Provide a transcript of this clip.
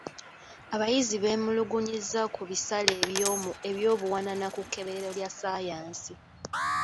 Abayizi beemulugunyizza ku bisale eby'obuwanana ku kkeberero lya ssaayansi.